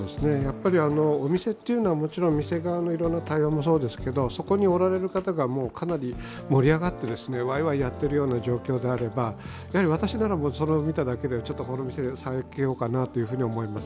お店というのは、もちろん店側の対応もそうですが、そこにおられる方がかなり盛り上がってワイワイやっているような状況であれば私なら、それを見ただけで、ちょっとこのお店避けようかなと思います。